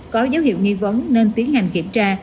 có dấu hiệu nghi vấn nên tiến hành kiểm tra